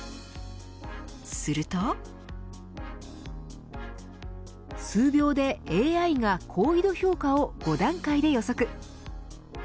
すると数秒でＡＩが好意度評価を５段階で予測。